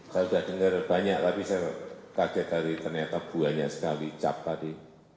saya sudah dengar banyak tapi saya kaget dari ternyata banyak sekali cap tadi